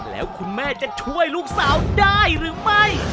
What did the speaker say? แล้วคุณแม่จะช่วยลูกสาวได้หรือไม่